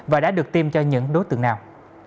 và đã được tiêm cho những đối tượng nào